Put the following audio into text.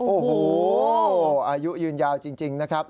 โอ้โหอายุยืนยาวจริงนะครับ